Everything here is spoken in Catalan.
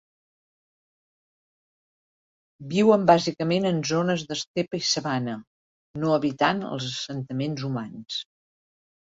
Viuen bàsicament en zones d'estepa i sabana, no evitant els assentaments humans.